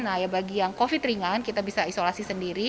nah ya bagi yang covid ringan kita bisa isolasi sendiri